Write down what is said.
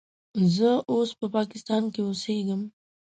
زه اوس په پاکستان کې اوسیږم.